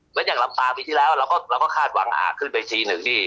เมื่ออย่างลำปากปีที่แล้วเราก็คาดวางอ่าขึ้นไปทีหนึ่งดิ